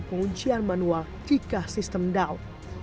penguncian manual kika sistem dau